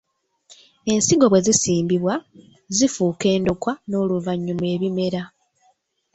Ensigo bwe zisimbibwa, zifuuka endokwa n'oluvannyuma ebimera.